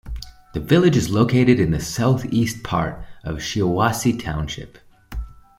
The village is located in the southeast part of Shiawassee Township.